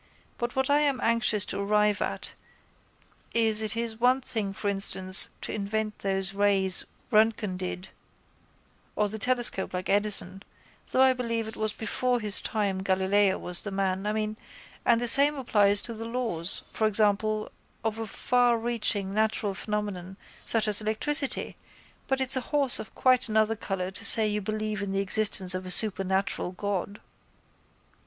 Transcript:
But what I am anxious to arrive at is it is one thing for instance to invent those rays Röntgen did or the telescope like Edison, though I believe it was before his time Galileo was the man, I mean, and the same applies to the laws, for example, of a farreaching natural phenomenon such as electricity but it's a horse of quite another colour to say you believe in the existence of a supernatural God.